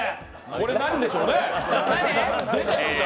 これ、何でしょうね。